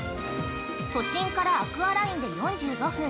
都心からアクアラインで４５分